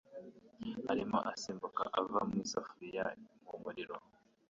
Arimo asimbuka ava mu isafuriya mu muriro.